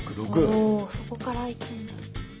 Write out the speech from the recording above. おそこからいくんだ。